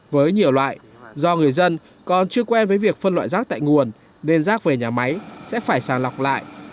với nhiều loại do người dân còn chưa quen với việc phân loại rác tại nguồn nên rác về nhà máy sẽ phải sàng lọc lại